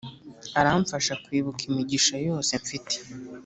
aramfasha kwibuka imigisha yose mfite.